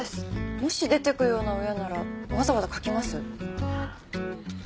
もし出ていくような親ならわざわざ書きます？